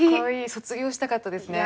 卒業したかったですね。